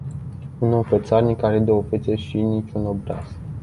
Un om fățarnic are două fețe și nici un obraz.